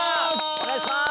お願いします。